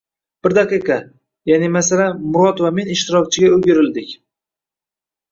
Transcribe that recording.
Bir daqiqa, ya’ni masalan, Murod va men ishtirokchiga o‘girildik